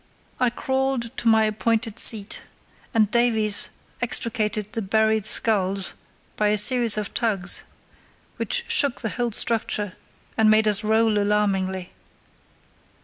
I crawled to my appointed seat, and Davies extricated the buried sculls by a series of tugs, which shook the whole structure, and made us roll alarmingly.